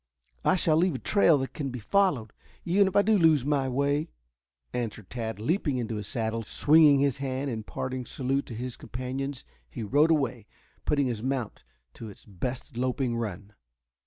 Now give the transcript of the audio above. "I shall leave a trail that can be followed, even if I do lose my way," answered Tad, leaping into his saddle. Swinging his hand in parting salute to his companions he rode away, putting his mount to its best loping run.